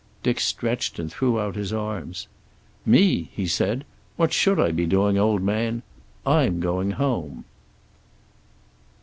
Dick stretched and threw out his arms. "Me?" he said. "What should I be doing, old man? I'm going home."